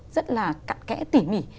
rất là cạn kẽ tỉ mỉ